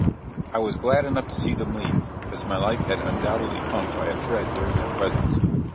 I was glad enough to see them leave, as my life had undoubtedly hung by a thread during their presence.